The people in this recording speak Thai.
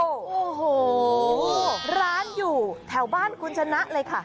โอ้โหร้านอยู่แถวบ้านคุณชนะเลยค่ะ